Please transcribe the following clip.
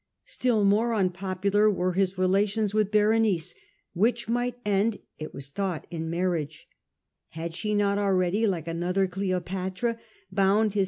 Still more unpopular were his lions with relations with Berenice, which might end, it werc"oun was thought, in marriage. Had she not already, like another Cleopatra, bound his yield.